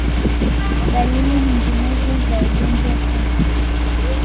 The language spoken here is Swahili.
Dalili nyinginezo za ugonjwa huu